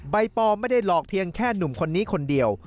ปอไม่ได้หลอกเพียงแค่หนุ่มคนนี้คนเดียว